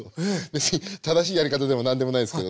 別に正しいやり方でも何でもないですけどね。